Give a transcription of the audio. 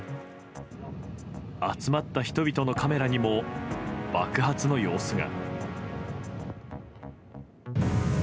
集まった人々のカメラにも爆発の様子が。